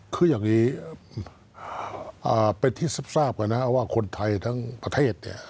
คืออย่างนี้เป็นที่ทราบกันนะครับว่าคนไทยทั้งประเทศเนี่ย